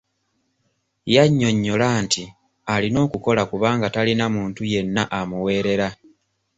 Yannyonnyola nti alina okukola kubanga talina muntu yenna amuweerera.